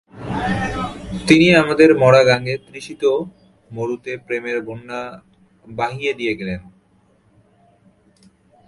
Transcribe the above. তিনি আমাদের মরা গাঙ্গে, তৃষিত মরুতে প্রেমের বন্যা বহিয়ে দিয়ে গেলেন।